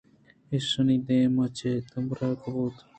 ایشانی دیمءَ چہ دمبرگ پدّر ات